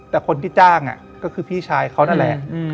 แต่คนที่จ้างก็คือพี่ชายเขานั่นแหละ